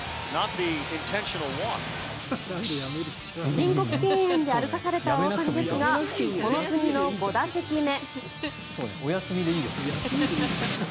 申告敬遠で歩かされた大谷ですがこの次の５打席目。